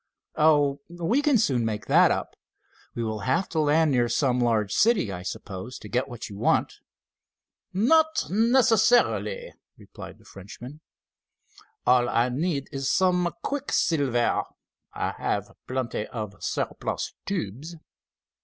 "Oh, we can soon make that up. We will have to land near some large city, I suppose, to get what you want." "Not necessarily," replied the Frenchman. "All I need is some quicksilver. I have plenty of surplus tubes."